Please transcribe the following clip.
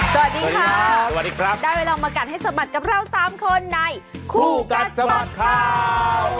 สวัสดีครับได้เวลามากันให้สมัดกับเรา๓คนในคู่กัดสมัดข่าว